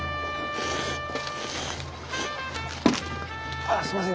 ああすいません。